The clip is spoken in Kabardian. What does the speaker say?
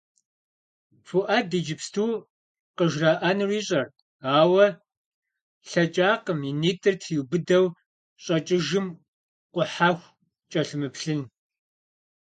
Фуӏэд иджыпсту къыжраӏэнур ищӏэрт, ауэ лъэкӏакъым и нитӏыр триубыдэу щӏэкӏыжым къухьэху кӏэлъымыплъын.